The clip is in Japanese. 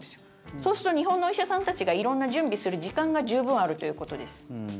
そうすると日本のお医者さんたちが色んな準備する時間が十分あるということです。